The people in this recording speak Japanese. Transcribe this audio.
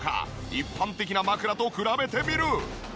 一般的な枕と比べてみる。